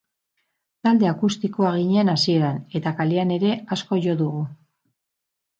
Talde akustikoa ginen hasieran, eta kalean ere asko jo dugu.